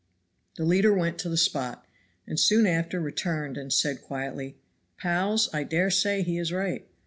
The leader went to the spot, and soon after returned and said quietly, "Pals, I dare say he is right.